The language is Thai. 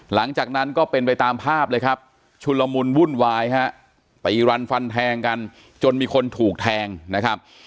หลังจากนั้นก็เป็นไปตามภาพเลยครับชุลมุนวุ่นวายฮะตีรันฟันแทงกันจนมีคนถูกแทงนะครับ